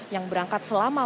yang berangkat selama